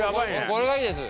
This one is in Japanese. これがいいです。